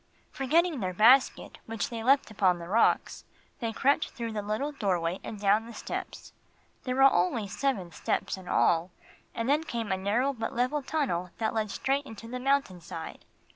Forgetting their basket, which they left upon the rocks, they crept through the little doorway and down the steps. There were only seven steps in all, and then came a narrow but level tunnel that led straight into the mountain side.